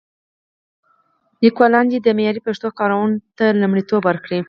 لیکوالان دې د معیاري پښتو کارونو ته لومړیتوب ورکړي.